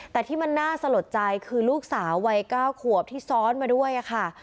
แต่ที่มันน่าสะหรับใจคือลูกสาววัย๙ขวบที่ซ้อนมาด้วยค่ะ